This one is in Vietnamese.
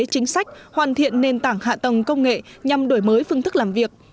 chính sách hoàn thiện nền tảng hạ tầng công nghệ nhằm đổi mới phương thức làm việc